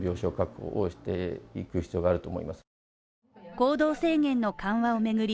行動制限の緩和を巡り